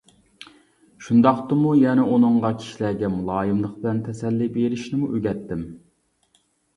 شۇنداقتىمۇ يەنە ئۇنىڭغا كىشىلەرگە مۇلايىملىق بىلەن تەسەللى بېرىشنىمۇ ئۆگەتتىم.